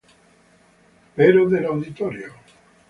Pero del auditorio